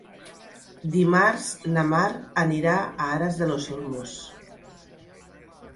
Dimarts na Mar anirà a Aras de los Olmos.